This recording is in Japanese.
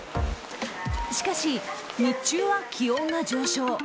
しかし、日中は気温が上昇。